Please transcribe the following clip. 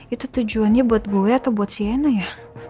itu tujuannya buat gue atau buat siana ya